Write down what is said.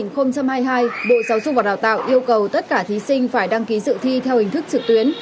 năm hai nghìn hai mươi hai bộ giáo dục và đào tạo yêu cầu tất cả thí sinh phải đăng ký dự thi theo hình thức trực tuyến